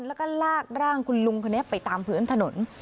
แล้วก็ลากร่างคุณลุงไปตามเผื้อนถนน